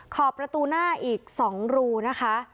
ขอบประตูหน้าอีก๒รูนะคะ